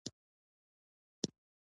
زما په فکر دا دوه ځانګړنې مهمې دي.